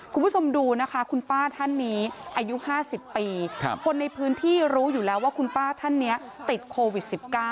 คุณผู้ชมดูนะคะคุณป้าท่านนี้อายุ๕๐ปีคนในพื้นที่รู้อยู่แล้วว่าคุณป้าท่านนี้ติดโควิด๑๙